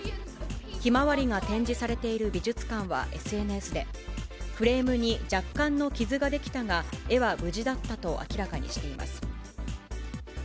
ひまわりが展示されている美術館はＳＮＳで、フレームに若干の傷が出来たが、絵は無事だったと明らかにしています。